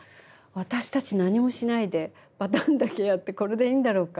私たち何もしないでパターンだけやってこれでいいんだろうか。